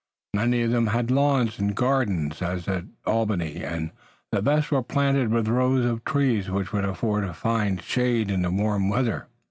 Many of them had lawns and gardens as at Albany, and the best were planted with rows of trees which would afford a fine shade in warm weather.